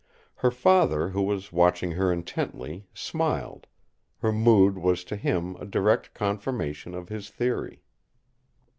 Her father, who was watching her intently, smiled; her mood was to him a direct confirmation of his theory.